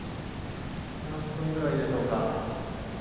何分くらいでしょうか。